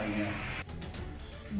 kemudian kembali ke tempat yang lainnya